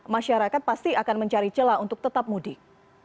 masyarakat pasti akan mencari celah untuk tetap mudik